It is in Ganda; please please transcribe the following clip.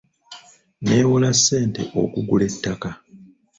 Neewola ssente okugula ettaka.